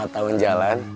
empat tahun jalan